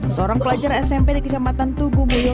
seorang pelajar smp di kecamatan tugu mulyo kabupaten jawa barat